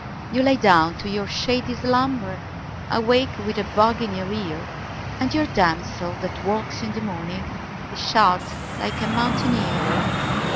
You lie down to your shady slumber And wake with a bug in your ear, And your damsel that walks in the morning Is shod like a mountaineer.